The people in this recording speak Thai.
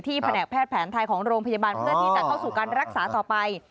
แผนกแพทย์แผนไทยของโรงพยาบาลเพื่อที่จะเข้าสู่การรักษาต่อไป